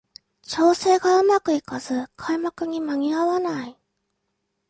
調整がうまくいかず開幕に間に合わない